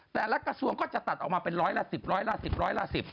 แต่ละกระทรวงก็จะตัดออกมาเป็นร้อยละ๑๐